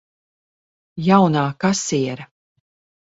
Jaunā kasiere.